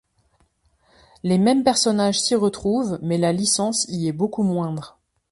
Les mêmes personnages s'y retrouvent mais la licence y est beaucoup moindre.